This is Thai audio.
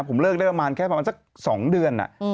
ผมเลิกได้ประมาณแค่ประมาณสัก๒เดือน